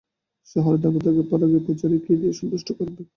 শহরের দেবতাকে পাড়াগাঁয়ের পূজারি কী দিয়ে সন্তুষ্ট করবে।